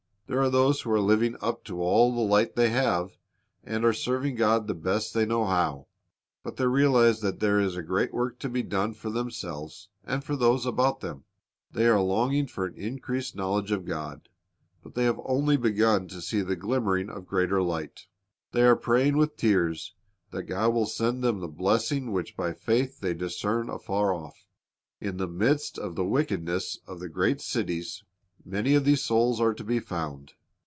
There are those who are living up to all the light they have, and are serving God the best they know how. But they realize that there is a great work to be done for themselves and for those about them. They are longing for an increased knowledge of God, but they have only begun to see the glimmering of greater light. They are praying with tears that God will send them the blessing which by faith they discern afar off In the midst of the wickedness of the great cities many of these souls are to be found.